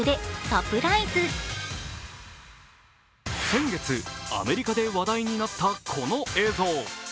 先月、アメリカで話題になったこの映像。